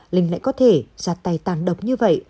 linh lại có thể ra tay tàn độc như vậy